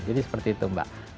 jadi seperti itu mbak